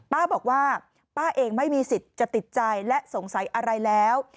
ป้าบอกว่าป้าเองไม่มีสิทธิ์จะติดใจและสงสัยอะไรแล้ว